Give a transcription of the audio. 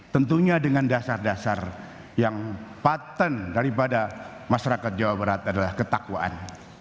tentunya dengan dasar dasar yang patent daripada masyarakat jawa barat adalah ketakwaan